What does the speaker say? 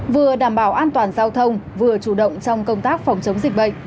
vừa đảm bảo an toàn giao thông vừa chủ động trong công tác phòng chống dịch bệnh